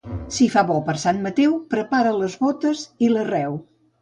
Si fa bo per Sant Mateu, prepara les botes i l'arreu.